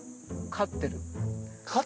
飼ってる。